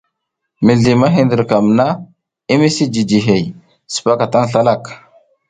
Mizli ma hindrikam na i misi jiji hey, sipaka tan slalak.